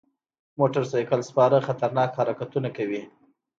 موټر سایکل سپاره خطرناک حرکتونه کوي.